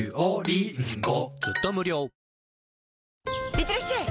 いってらっしゃい！